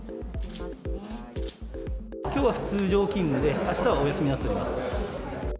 きょうは通常勤務で、あしたはお休みになっております。